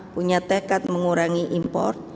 punya tekat mengurangi impor